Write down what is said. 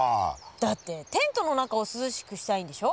だってテントの中を涼しくしたいんでしょ。